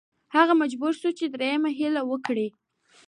هغه مجبور شو چې دریمه هیله وکړي.